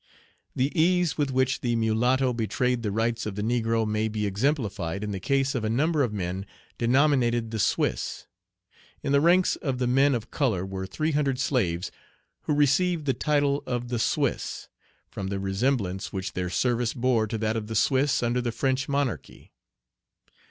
The ease with which the mulatto betrayed the rights of the negro may be exemplified in the case of a number of men denominated the Swiss. In the ranks of the men of color were three hundred slaves, who received the title of "the Swiss," from the resemblance which their service bore to that of the Swiss under the French monarchy.